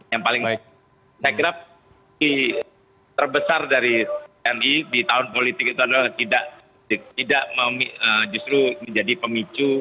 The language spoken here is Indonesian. yang paling saya kira terbesar dari tni di tahun politik itu adalah tidak justru menjadi pemicu